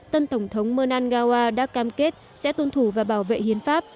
tân tổng thống mernagawa đã cam kết sẽ tuân thủ và bảo vệ hiến pháp